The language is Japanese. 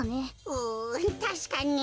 うたしかに。